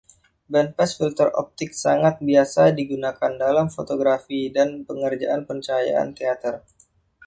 Band-pass filter optik sangat biasa digunakan dalam fotografi dan pengerjaan pencahayaan teater.